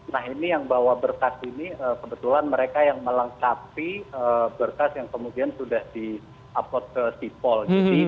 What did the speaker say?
nah ini yang bawa berkas ini kebetulan mereka yang melengkapi berkas yang kemudian sudah di upload ke sipol